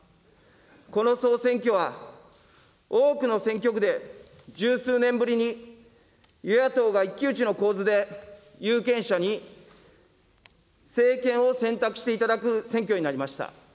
この総選挙は、多くの選挙区で十数年ぶりに与野党が一騎打ちの構図で有権者に政権を選択していただく選挙になりました。